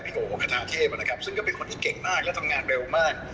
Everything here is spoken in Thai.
โอคาทาเทพนะครับซึ่งก็เป็นคนที่เก่งมากและทำงานเร็วมาก